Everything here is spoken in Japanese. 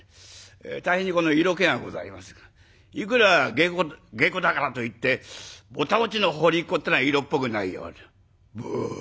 大変に色気がございますがいくら下戸だからといってぼた餅の放りっこっていうのは色っぽくないようで。